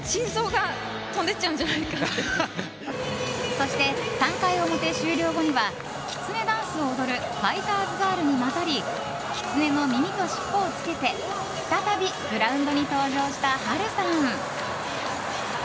そして３回表終了後にはきつねダンスを踊るファイターズガールに混ざりきつねの耳としっぽをつけて再びグラウンドに登場した波瑠さん。